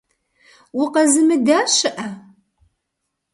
Укъэзымыда щыӏэ?